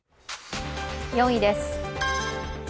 ４位です。